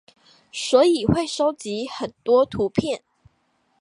所以會蒐集很多圖片